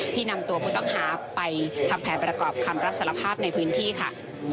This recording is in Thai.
นำตัวผู้ต้องหาไปทำแผนประกอบคำรับสารภาพในพื้นที่ค่ะ